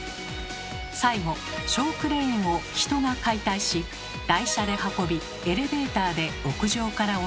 最後小クレーンを人が解体し台車で運びエレベーターで屋上から下ろすのです。